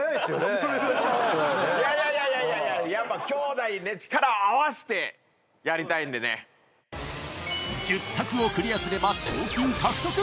ホントだよねいやいやいやいややっぱ兄弟ね力を合わせてやりたいんでね１０択をクリアすれば賞金獲得！